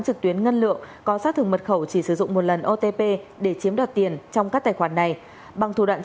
trực tuyến ngân lượng có sát thường mật khẩu